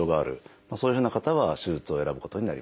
そういうふうな方は手術を選ぶことになりますね。